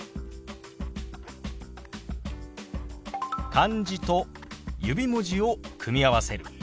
漢字と指文字を組み合わせる。